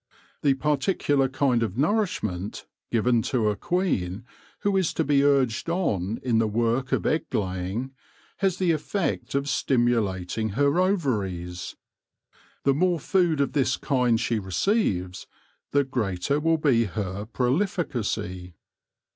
The particular kind of nourishment given to a queen who is to be urged on in the work of egg laying, has the effect of stimulating her ovaries. The more food of this kind she receives, the greater will be her prolificacy.